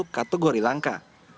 yang termasuk kategori langka